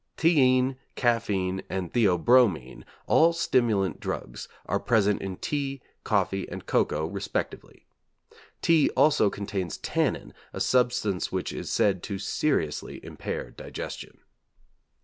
Theine, caffeine, and theobromine, all stimulant drugs, are present in tea, coffee, and cocoa, respectively. Tea also contains tannin, a substance which is said to seriously impair digestion.